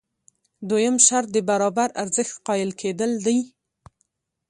دویم شرط د برابر ارزښت قایل کېدل دي.